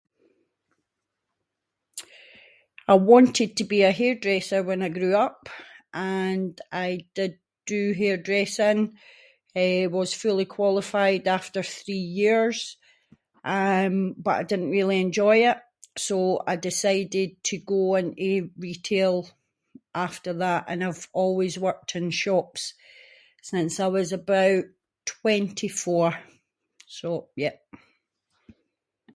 I wanted to be a hairdresser when I grew up and I did do hairdressing, eh, was fully qualified after three years, um, but I didn’t really enjoy it, so I decided to go into retail after that, and I’ve always worked in shops since I was about twenty-four, so yeah.